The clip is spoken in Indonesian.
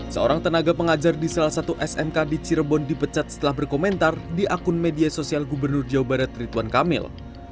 seorang tenaga pengajar di salah satu smk di cirebon dipecat setelah berkomentar di akun media sosial gubernur jawa barat rituan kamil